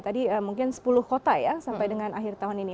tadi mungkin sepuluh kota ya sampai dengan akhir tahun ini